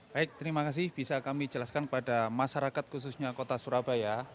baik terima kasih bisa kami jelaskan kepada masyarakat khususnya kota surabaya